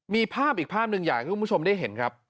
มีภาพอีกภาพหนึ่งอยากให้คุณผู้ชมได้เห็นครับ